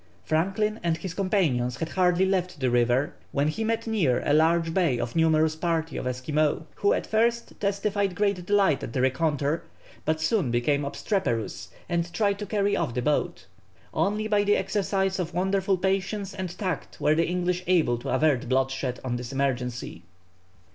Franklin and his companions had hardly left the river when he met near a large bay a numerous party of Esquimaux, who at first testified great delight at the rencontre, but soon became obstreperous, and tried to carry off the boat. Only by the exercise of wonderful patience and tact were the English able to avert bloodshed on this emergency.